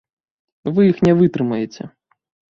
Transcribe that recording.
Вы іх не вытрымаеце.